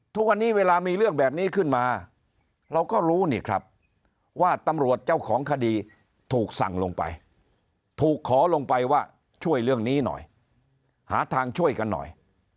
ทุกวันนี้เวลามีเรื่องแบบนี้ขึ้นมาเราก็รู้นี่ครับว่าตำรวจเจ้าของคดีถูกสั่งลงไปถูกขอลงไปว่าช่วยเรื่องนี้หน่อยหาทางช่วยกันหน่อย